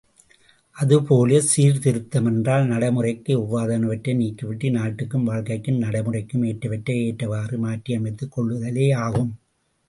அதுபோல, சீர்திருத்தம் என்றால், நடைமுறைக்கு ஒவ்வாதனவற்றை நீக்கிவிட்டு, நாட்டுக்கும் வாழ்க்கைக்கும், நடைமுறைக்கும் ஏற்றவற்றை ஏற்றவாறு மாற்றியமைத்துக் கொள்ளுதலேயாகும்.